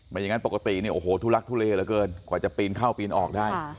อย่างนั้นปกติเนี่ยโอ้โหทุลักทุเลเหลือเกินกว่าจะปีนเข้าปีนออกได้